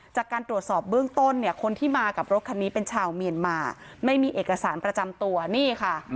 จากการตรวจสอบเบื้องต้นเนี่ยคนที่มากับรถคันนี้เป็นชาวเมียนมาไม่มีเอกสารประจำตัวนี่ค่ะ